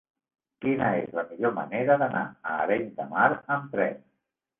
Quina és la millor manera d'anar a Arenys de Mar amb tren?